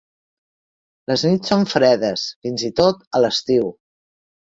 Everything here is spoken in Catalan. Les nits són fredes, fins i tot a l'estiu.